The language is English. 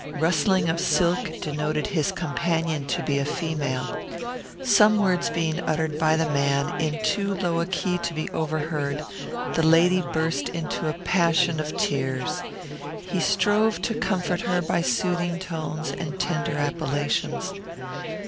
Rustling of silk denoted his companion to be female. Some words being uttered by the man, in too low a key to be overheard, the lady burst into a passion of tears. He strove to comfort her by soothing tones and tender appellations.